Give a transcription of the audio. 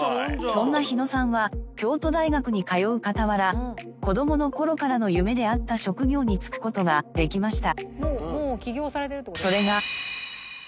そんな日野さんは京都大学に通う傍ら子どもの頃からの夢であった職業に就く事ができました。